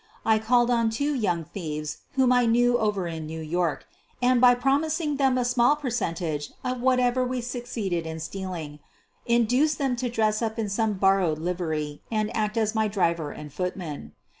I called on two young thieves whom I knew over in New York, and, by promising them a small percentage of whatever we succeeded in stealing, induced them to dress up in some borrowed livery and act as my driver and footman.